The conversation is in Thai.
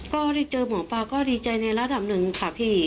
ก็ได้เจอหมอปลาก็ดีใจในระดับหนึ่งค่ะพี่